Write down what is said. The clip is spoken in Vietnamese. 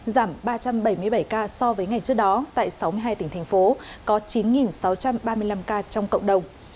giảm ba trăm bảy mươi bảy ca so với ngày trước đó tại sáu mươi hai tỉnh thành phố có chín sáu trăm ba mươi năm ca trong cộng đồng